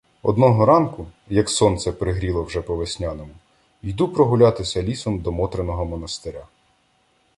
Одного ранку, як сонце пригріло вже по-весняному, йду прогулятися лісом до Мотриного монастиря.